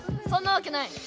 そんなわけない。